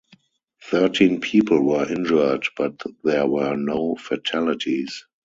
Thirteen people were injured, but there were no fatalities.